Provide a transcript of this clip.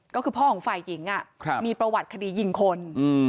ก็คือพ่อของฝ่ายหญิงอ่ะครับมีประวัติคดียิงคนอืม